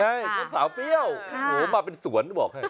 สาวเปรี้ยวโหมาเป็นสวนบอกให้